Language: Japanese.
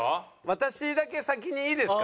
私だけ先にいいですか？